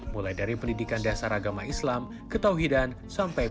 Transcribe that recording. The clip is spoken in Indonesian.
mulai dari pendidikan dasar agama islam ketauhidan dan kemahiran